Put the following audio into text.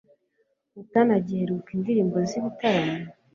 utanagiheruka indirimbo z'ibitaramo